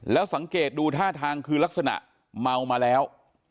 แล้วสังเกตดูท่าทางคือลักษณะเมามาแล้ว